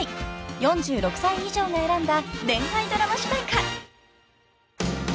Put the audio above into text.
［４６歳以上が選んだ恋愛ドラマ主題歌］